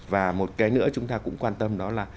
và một cái nữa chúng ta cũng quan tâm đó là